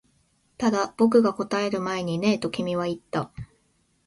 ただ、僕が答える前にねえと君は言った